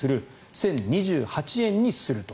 １０２８円にすると。